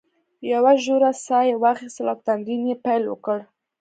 یوه ژوره ساه یې واخیستل او په تمرین یې پیل وکړ.